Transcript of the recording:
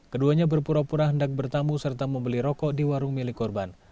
keduanya berpura pura hendak bertamu serta membeli rokok di warung milik korban